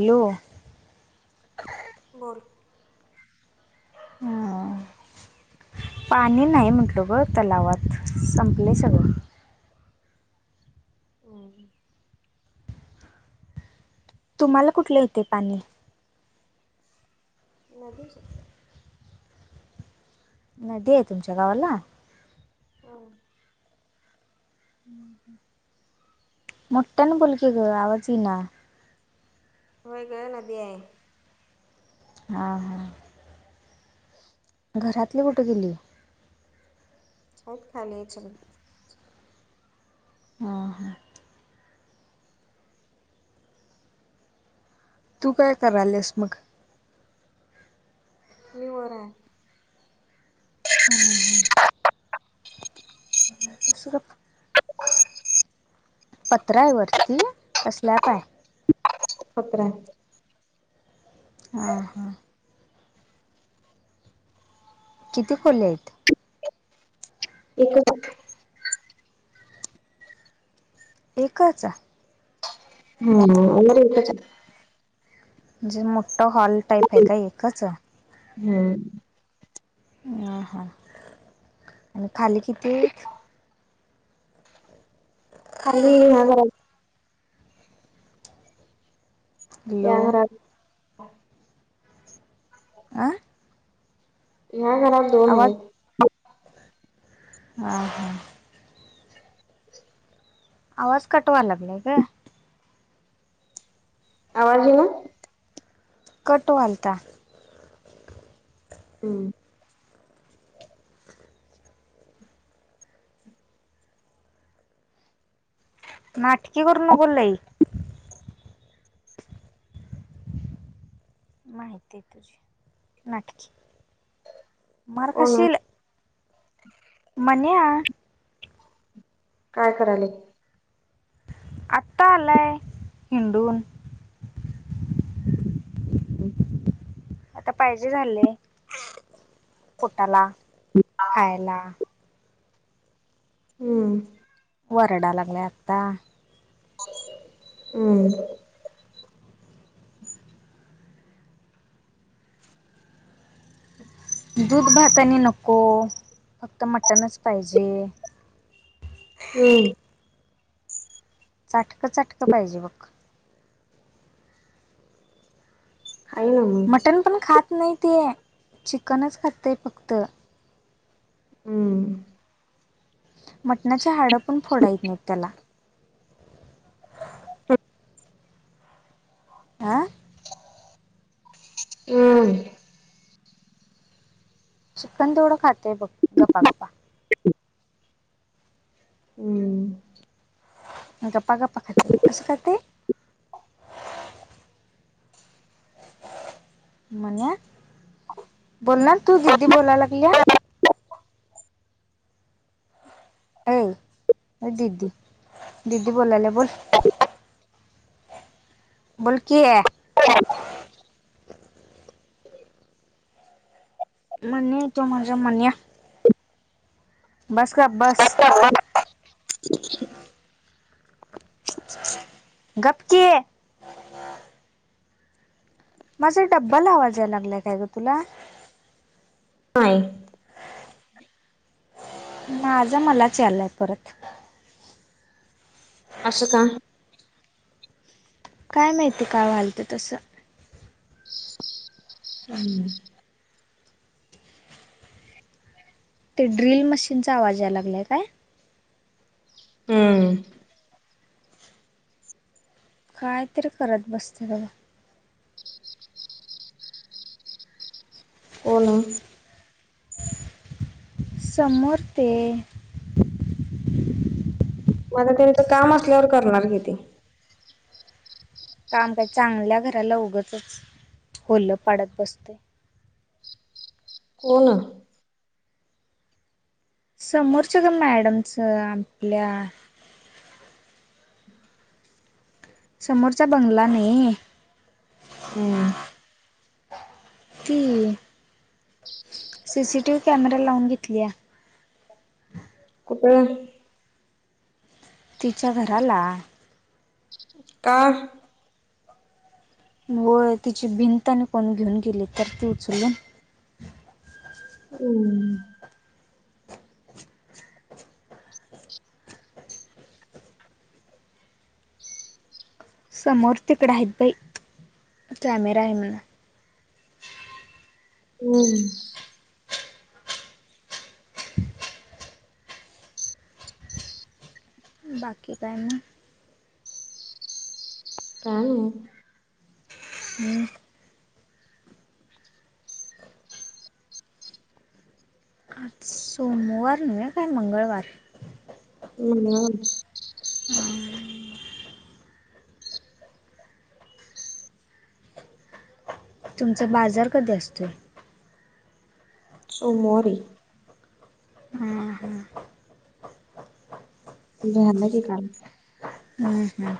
Hello. बोल, हं पाणी नाही, म्हटलं ग तलावातं संपलय सगळं. हुं. तुम्हाला कुठलं येतय पाणी? नदीचं. नदी हाय तुमच्या गावाला? हो. मोठ्याने बोल कि, गं आवाज येईना व्हय गं नदी हाय हा. हा. घरातली कुठं गेली? हाईत खाली हाईत सगळी हा हां. तू काय करायल्यास मग? मी वर हाय. हा हा हा. सरक पत्रा हाय वरती का स्लॅप हाय? पत्रा हाय. हा हा. किती खोल्या हाईत? [unintelligible] एक एकचं! हम्म वर एकच हाय. म्हणजे मोठ हॉल टाईप हाय का एकच? हुम्म. अ हा हा आणि खाली किती हाईत? खाली लहान लहान हाईत त्या हॅलो घरात आ. ह्या घरात दोन आवाज हाइत हा हा. आवाज कट व्हाय लागलाय ग! आवाज ईना? कट व्हालता हम्. नाटकी करु नको लई? माहिती आहे तुझी नाटकी कोण हाय? मारखाशील. मन्या काय करालं आता आलय हिंडून आता पाहिजे झाले पोटाला खायला. हू ओरडायला लागले आता हम् दूध भाताने नको फक्त मटणच पाहिजे हम्म चाटकं चाटकं पाहिजे बघ ह्याय न्हव मटण पण खात नाही ते चिकनच खातय फक्त हम्म मटणाचे हाडं पण फोडायत नाहीत त्याला हम् आं हम्म चिकन तेवड खातय बग गपा गपा आ आ हम्म गपा गपा खातय कस खातय ह ह म्हण बोल ना तू दिदी बोलाय लागल्या आय दीदी दीदी बोलाय लागल्या बोल बोलकी हो मण्या हाय तो माझा मण्या बस का बस ह अ् गपकी माझा डब्बल आवाज यायलागलाय काय ग तुला नाही माझं मलाच यालाय परत आस का काय माहिती काय व्हालत तसं हम ते ड्रिल मशीनचा आवाज याय लागलाय काय हम्म काय तरी करत बसत्यात बघ कोण समोर ते आता त्यांचं काम असल्यावर करणार किती काम काही चांगल्या घराला उगंचच होल पाडत बसतोय. कोन समोरचं का मॅडमच आपल्या समोरचा बंगला नाही. हम्म ती सीसीटीव्ही कॅमेरा लावून घेतली आहे. कुठ तिच्या घराला काहा होय तिची भिंत आणि कोण घेऊन गेली तर उचलुन हम् समोर तिकड आहेत बाई कॅमेरा आहे म्हणा हम्म बाकी काही ना काय माहित हम आज सोमवार नहे काय मंगळवार हम् आ तुमचा बाजार कधी असतोय. सोमवारी हम हा झाला की काल हम् हम्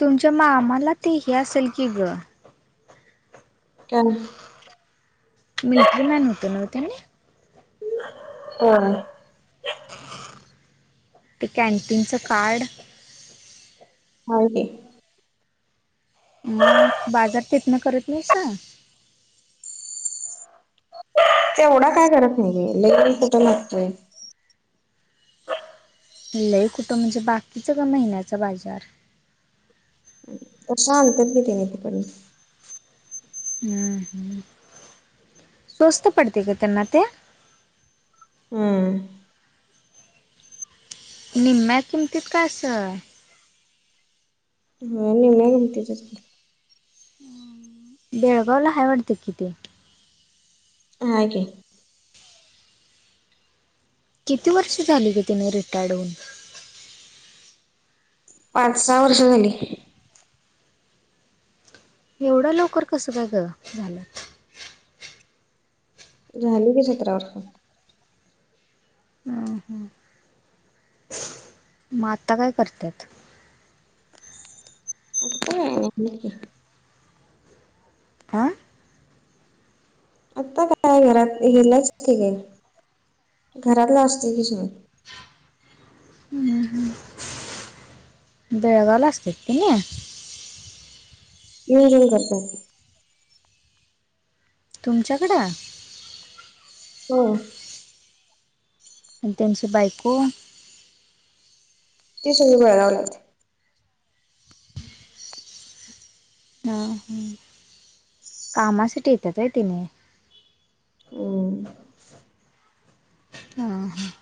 तुमच्या मामाला ते हे असेल की ग काय मिलिटरी मॅन होतो ना त्याने हा ते कॅन्टीनचं कार्ड हाय की. मग बाजार तिथनं करत नाही सां तेवढा काय करत नाहीे लेगन कटं लागतोय लय कुठं म्हणजे बाकीचं का महिन्याचा बाजार तशा आणतात की तिने तिकडून हम् हम् स्वस्त पडते का त्यांना ते हम्म निम्म्या किमतीत काय असं हो निम्म्या किमतीतच बेळगावला हाय वाटतं की ते हाय की किती वर्ष झाली ग तिने रिटार्ड होऊन. पाच सहा वर्ष झाली. एवढं लवकर कसं काय ग झालं झाली की सतरा वर्ष अ ह मग आता काय करतत ह हा आता काय घरात गलायच ते काय घरातलं असते किशमत हम् ह बेळगावला असततन हम्म हम करत तुमच्याकडं हो आणि तमची बायको ते सगळी बवला हम् ह हा कामासाठी येतात आहे तिने हम ह हा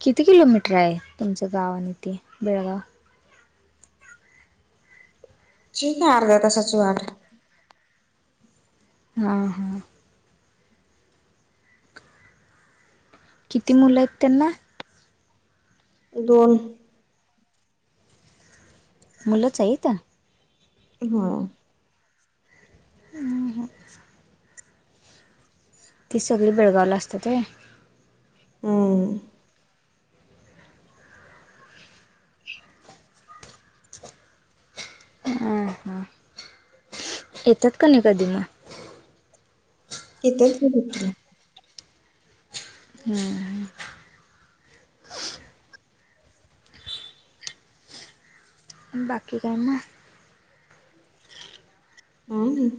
किती किलोमीटर आहे तुमचं गाव आणि तेे बेळगाव ठीक आहे अर्ध्या तासाची वाट हा हा किती मुलं आहेत त्यांना दोन मुलं च त्या हा आणि ह ती सगळी बेळगावला असते ते हम्म हां हां येतात का नाही कधी म किथच हम्म बाकी कायम हां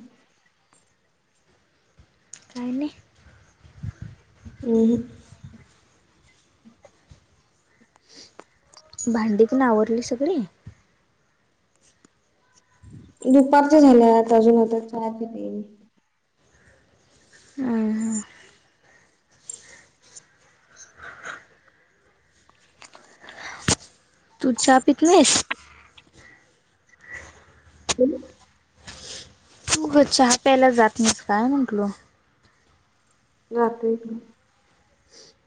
काने हो भांडी पण आवरली सगळी दुपारचे झाल्या अजून आता च ह ह तू चा पिकनेस हो हो चहा प्यायला जात नाहीस काय म्हंटल राात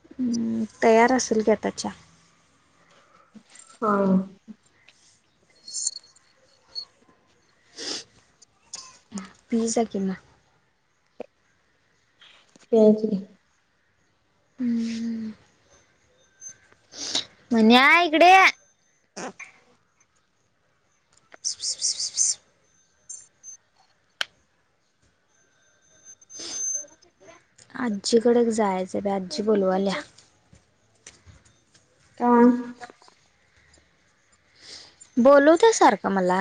हं, तयार असेल घ्या त्याच्या हा पीज के ना पज म्हण्या इकडे आजीकडे जायचं ब आजी बोलू आल्या काां बोलू त्यासारखं मला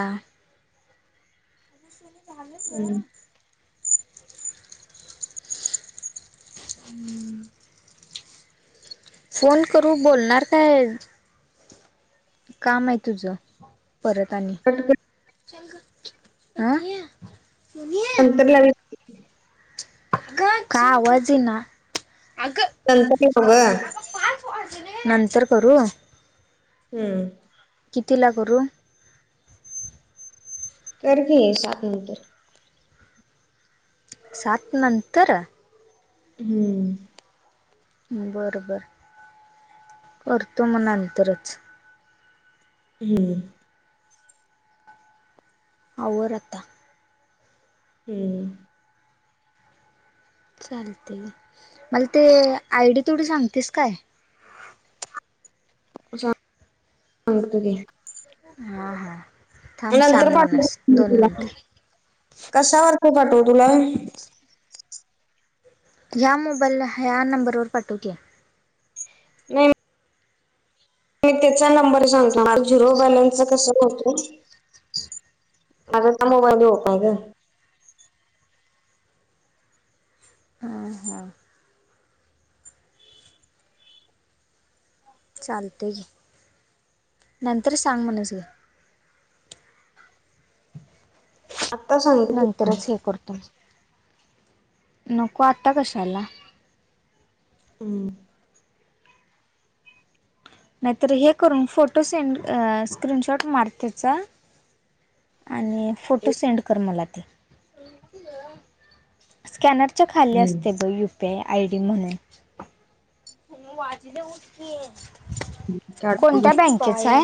झाले हम्म फोन करू बोलणार काय काम आहे तुझं परत आणि क च अ नंतर लावी अग काय आवाजही ना अग संतनी हव नंतर करू हम्म किती ला करू तर घे सात नंबर साात नंतर हम्म बरं बर करतो मग अंतरच हम्म हवर आता हम्म चालते मला ते आय डी थोडी सांगतेस काय गत हा हा थांब नंतर सांग मणस दोन मिनटे कशावरर्थ पाठव तुला ह्या मोबाईल ह्या नंबरवरर पाठवते नाही मी त्याचा नंबर सांगतो झिरो बॅलन्स कस होतो माझाचा मोबाईल होपाय का ह हा चालते घे नंतर सांग म्हणच घे आत्ता सांगते तरच हे करतो म नको आता कशाला हम्म नाहीतर हे करून फोटो सेंड स्क्रीनशॉट मार त्याचा आणि फोटो सेंड कर मला ते स्कॅनरच्या खाली असते हम्म ब यूपीआय आय डी म्हणून काढ कोणत्या मग बँकेच आहे